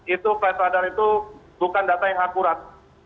itu flight radar itu bukan data yang akurat